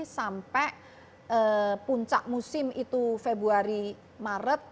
sampai puncak musim itu februari maret